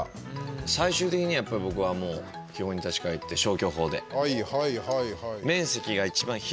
最終的にはやっぱり僕は基本に立ち返ってなるほど。